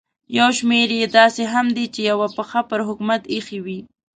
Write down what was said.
یو شمېر یې داسې هم دي چې یوه پښه پر حکومت ایښې وي.